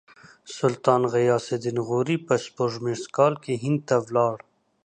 سلطان غیاث الدین غوري په سپوږمیز کال کې هند ته ولاړ.